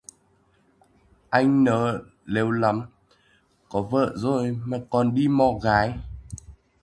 Anh nớ lếu lắm, có vợ rồi mà còn đi mò gái